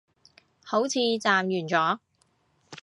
好似暫完咗